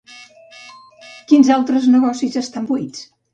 Quins altres negocis estan buits?